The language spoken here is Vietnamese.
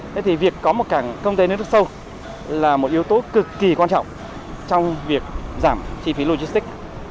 thế thì việc có một cảng container rất sâu là một yếu tố cực kỳ quan trọng trong việc giảm chi phí logistics